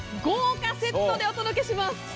豪華セットでお届けします。